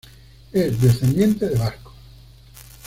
Es descendiente de vascos.